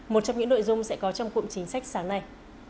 một trong những nội dung sẽ có trong cụm chính sách sáng nay